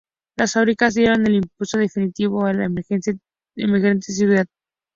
Las fábricas dieron el impulso definitivo a la emergente ciudad.